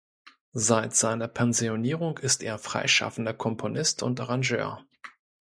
Seit seiner Pensionierung ist er freischaffender Komponist und Arrangeur.